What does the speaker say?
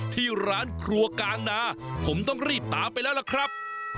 ที่ร้านครัวกลางนาผมต้องรีบตามไปแล้วล่ะครับ